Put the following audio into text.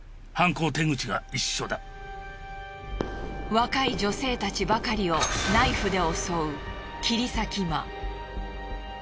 若い女性たちばかりをナイフで襲う切り裂き魔。